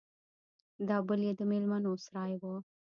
دا بل يې د ميلمنو سراى و.